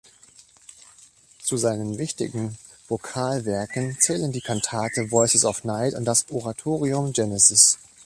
Zu seinen wichtigen Vokalwerken zählen die Kantate "Voices of Night" und das Oratorium "Genesis".